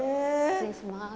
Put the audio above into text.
失礼します。